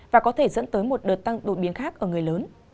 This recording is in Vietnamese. và có thể dẫn tới một đợt tăng đột biến khác ở người lớn